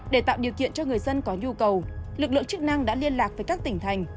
để tạo điều kiện cho người dân có nhu cầu lực lượng chức năng đã liên lạc với các tỉnh thành